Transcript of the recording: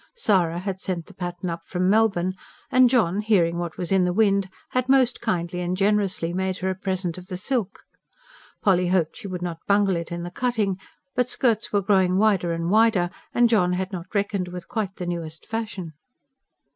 Sara had sent the pattern up from Melbourne, and John, hearing what was in the wind, had most kindly and generously made her a present of the silk. Polly hoped she would not bungle it in the cutting; but skirts were growing wider and wider, and John had not reckoned with quite the newest fashion.